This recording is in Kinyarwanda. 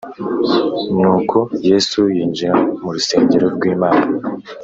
Nuko Yesu yinjira mu rusengero rw’Imana